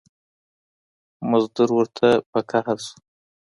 مزدور ورته په قار سو